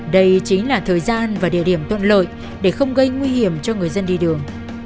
đây chính là thời gian và địa điểm thuận lợi để không gây nguy hiểm cho người dân đi đường